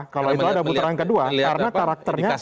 kalau itu ada putaran kedua